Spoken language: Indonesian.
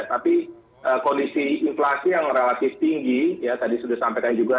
tapi kondisi inflasi yang relatif tinggi ya tadi sudah disampaikan juga